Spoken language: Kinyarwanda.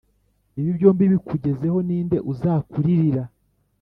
Ibi byombi bikugezeho ni nde uzakuririra